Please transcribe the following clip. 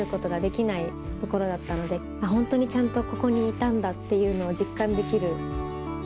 ホントにちゃんとここにいたんだっていうのを実感できる。